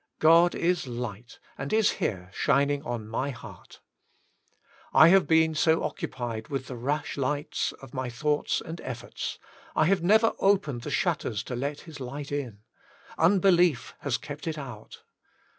God is light, and is here shining on my heart. I have been so occupied with the rushlights of my thoughts and efforts, I have never opened the shutters to let Hia WAITING ON GOD! ^ 83 light in. Unbelief has kept it out.